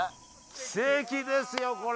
奇跡ですよこれ。